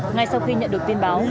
ngay sau khi nhận được tin báo